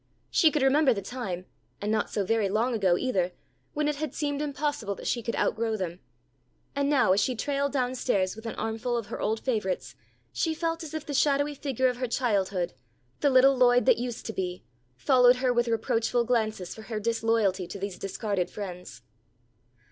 She could remember the time (and not so very long ago, either) when it had seemed impossible that she could out grow them. And now as she trailed down stairs with an armful of her old favourites, she felt as if the shadowy figure of her childhood, the little Lloyd that used to be, followed her with reproachful glances for her disloyalty to these discarded friends.